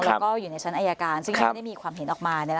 แล้วก็อยู่ในชั้นอายการซึ่งยังไม่ได้มีความเห็นออกมา